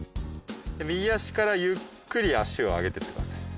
右足からゆっくり足を上げてってください。